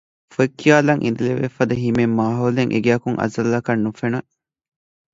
ފޮތްކިޔާލަން އިނދެލެވޭފަދަ ހިމޭން މާހައުލެއް އެގެއަކުން އަޒަލްއަކަށް ނުފެނެ